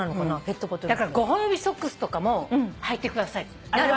だから五本指ソックスとかもはいてくださいっつって。